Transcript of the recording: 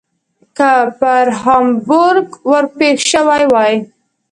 که پر هامبورګ ور پیښ شوي وای.